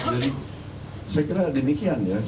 jadi saya kira demikian ya